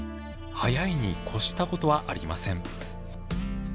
早いに越したことはありません。